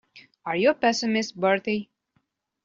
Are you a pessimist, Bertie?